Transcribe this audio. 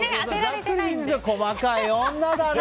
細かい女だね！